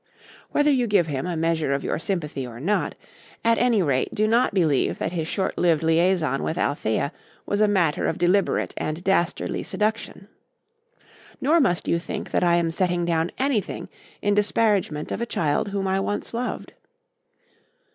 Whether you give him a measure of your sympathy or not, at any rate do not believe that his short lived liaison with Althea was a matter of deliberate and dastardly seduction. Nor must you think that I am setting down anything in disparagement of a child whom I once loved.